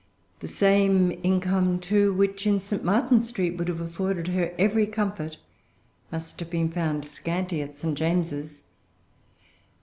The same income, too, which in St. Martin's Street would have afforded her every comfort, must have been found scanty at St. James's.